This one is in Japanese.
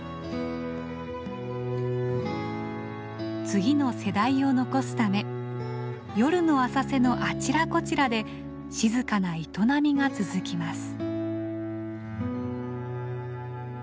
次の世代を残すため夜の浅瀬のあちらこちらで静かな営みが続きます。